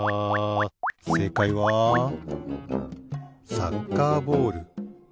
せいかいはサッカーボール。